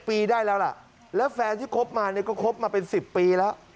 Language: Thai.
ปีได้แล้วล่ะแล้วแฟนที่คบมาเนี่ยก็คบมาเป็น๑๐ปีแล้ว